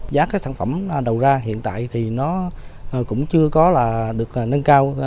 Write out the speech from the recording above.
giá các sản phẩm đầu ra hiện tại thì nó cũng chưa có được nâng cao